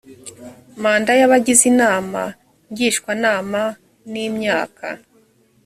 manda y abagize inama ngishwanama ni imyaka